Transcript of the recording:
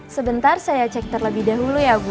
sebentar saya cek terlebih dahulu ya bu